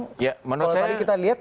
kalau tadi kita lihat